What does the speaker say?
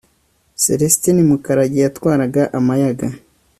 Selestini Mukarage yatwaraga Amayaga